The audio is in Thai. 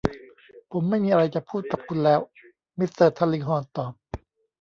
ผมไม่มีอะไรจะพูดกับคุณแล้ว มิสเตอร์ทัลคิงฮอร์นตอบ